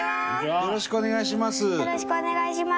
よろしくお願いします。